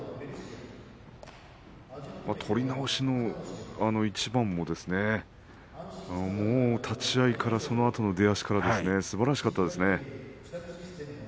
取り直しの一番も立ち合いからそのあとの出足からすばらしかったですね。